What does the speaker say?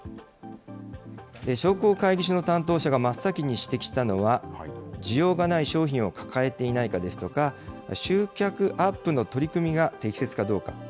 商工会議所の担当者が真っ先に指摘したのは、需要がない商品を抱えていないかですとか、集客アップの取り組みが適切かどうか。